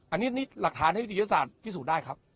อันนี้หลักฐานในวิทยาศาสตร์พิสูจน์ได้ครับ